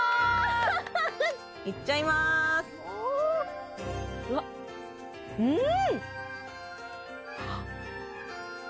ハハハッいっちゃいますうん！